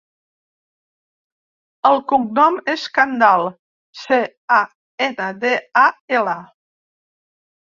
El cognom és Candal: ce, a, ena, de, a, ela.